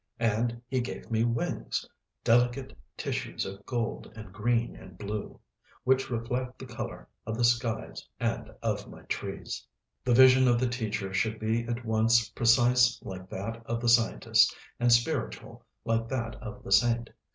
And he gave me wings, delicate tissues of gold and green and blue, which reflect the color of the skies and of my trees." The vision of the teacher should be at once precise like that of the scientist, and spiritual like that of the saint.